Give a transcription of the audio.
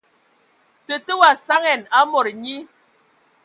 Tətə wa saŋan aaa mod nyi.